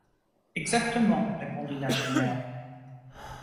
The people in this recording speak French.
Exactement, » répondit l’ingénieur